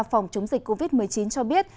phòng chống dịch covid một mươi chín cho biết